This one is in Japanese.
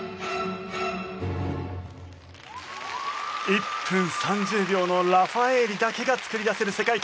１分３０秒のラファエーリだけが作り出せる世界観。